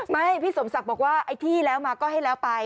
พี่สมศักดิ์บอกว่าไอ้ที่แล้วมาก็ให้แล้วไป